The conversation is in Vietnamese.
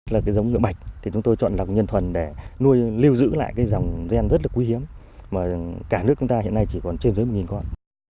là cái giống nhựa bạch thì chúng tôi chọn lọc nhân thuần để nuôi lưu giữ lại cái dòng gen rất là quý hiếm mà cả nước chúng ta hiện nay chỉ còn trên dưới một con